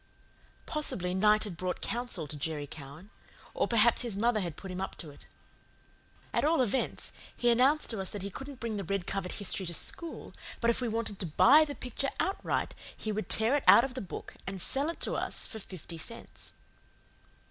Possibly night had brought counsel to Jerry Cowan; or perhaps his mother had put him up to it. At all events, he announced to us that he couldn't bring the red covered history to school, but if we wanted to buy the picture outright he would tear it out of the book and sell it to us for fifty cents.